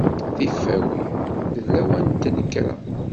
Tifawin. D lawan n tnekra.